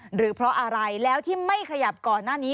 หรือเพราะอะไรแล้วที่ไม่ขยับก่อนหน้านี้